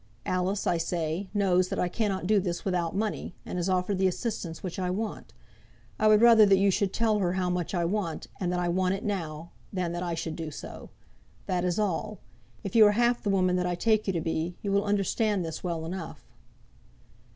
Alice, I say, knows that I cannot do this without money, and has offered the assistance which I want. I would rather that you should tell her how much I want, and that I want it now, than that I should do so. That is all. If you are half the woman that I take you to be, you will understand this well enough."